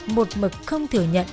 một mực không thừa nhận